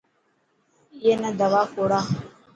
اي نا دوا کوڙا.